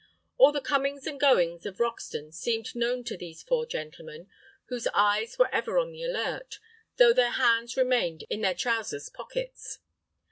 All the comings and goings of Roxton seemed known to these four gentlemen, whose eyes were ever on the alert, though their hands remained in their trousers pockets.